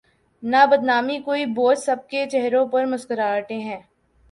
نہ بدنامی کوئی بوجھ سب کے چہروں پر مسکراہٹیں ہیں۔